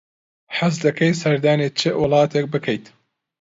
حەز دەکەیت سەردانی چ وڵاتێک بکەیت؟